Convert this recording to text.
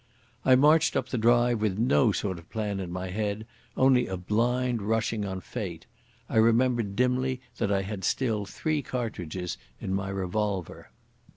I marched up the drive with no sort of plan in my head, only a blind rushing on fate. I remembered dimly that I had still three cartridges in my revolver.